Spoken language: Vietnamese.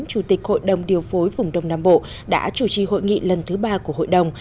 chủ tịch hội đồng điều phối vùng đông nam bộ đã chủ trì hội nghị lần thứ ba của hội đồng